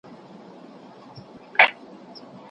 آیا انار د ځیګر د ناروغیو په درملنه کې مرسته کوي؟